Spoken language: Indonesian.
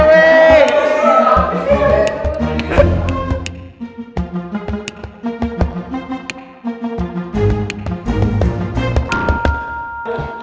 wah apa sih